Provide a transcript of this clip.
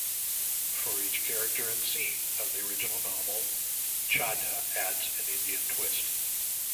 For each character and scene of the original novel, Chadha adds an Indian twist.